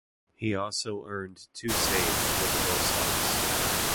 He also earned two saves for the Bosox.